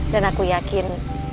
dan aku yakin